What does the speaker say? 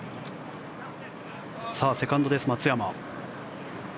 セカンドです、松山。